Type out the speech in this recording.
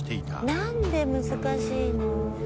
何で難しいの？